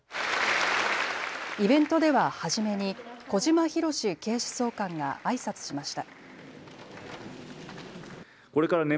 イベントでは初めに小島裕史警視総監があいさつしました。